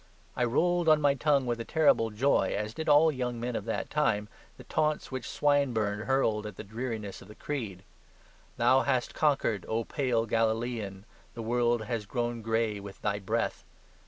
I rolled on my tongue with a terrible joy, as did all young men of that time, the taunts which Swinburne hurled at the dreariness of the creed "Thou hast conquered, O pale Galilaean, the world has grown gray with Thy breath."